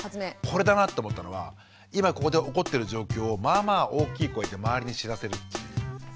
これだなって思ったのが今ここで起こってる状況をまあまあ大きい声で周りに知らせるっていう。